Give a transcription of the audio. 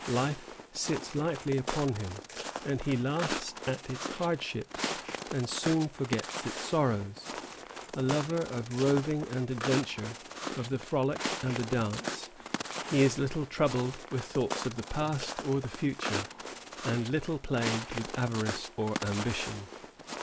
Life sits lightly upon him; he laughs at its hardships, and soon forgets its sorrows. A lover of roving and adventure, of the frolic and the dance, he is little troubled with thoughts of the past or the future, and little plagued with avarice or ambition.